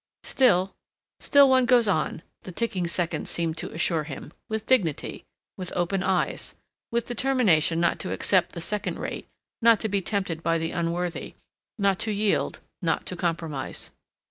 Still, still, one goes on, the ticking seconds seemed to assure him, with dignity, with open eyes, with determination not to accept the second rate, not to be tempted by the unworthy, not to yield, not to compromise.